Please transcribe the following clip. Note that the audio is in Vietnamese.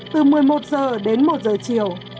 từ một mươi một giờ đến một giờ chiều